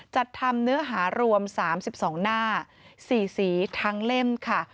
จัดทำเนื้อหารวม๓๒หน้า๔สีทั้งเล่มค่ะ